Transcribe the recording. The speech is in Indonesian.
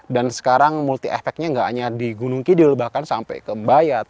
dan sekarang multi efeknya nggak hanya di gunung kidil bahkan sampai ke bayat